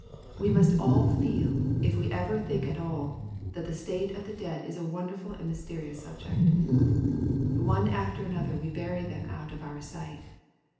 We must all feel, if we ever think at all, that the state of the dead is a wonderful and mysterious subject. One after another we bury them out of our sight.